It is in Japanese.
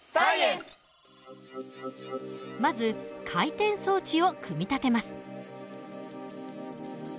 まず回転装置を組み立てます。